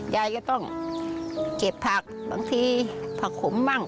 ยายก็ต้องเก็บผักบางทีผักขมบ้าง